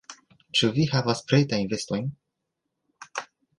Ĉu vi havas pretajn vestojn?